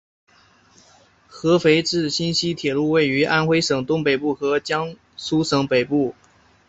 合肥至新沂铁路位于安徽省东北部和江苏省北部。